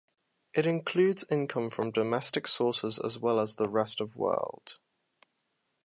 It includes income from domestic sources as well as the rest of world.